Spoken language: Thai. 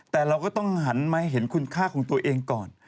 แต่เราก็ต้องหันมาเห็นคุณค่าของตัวเองก่อน